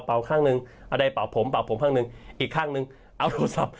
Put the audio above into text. ข้างหนึ่งอันใดเป่าผมเป่าผมข้างหนึ่งอีกข้างนึงเอาโทรศัพท์